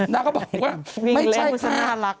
นางก็บอกว่าไม่ใช่ค่ะ